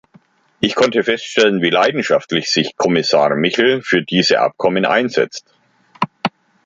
Ich konnte feststellen, wie leidenschaftlich sich Kommissar Michel für diese Abkommen einsetzt.